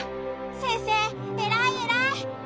先生偉い偉い！